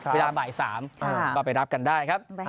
เวลาบ่าย๓ก็ไปรับกันได้ครับ